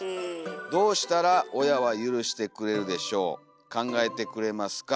どうしたらおやはゆるしてくれるでしょう考えてくれますか？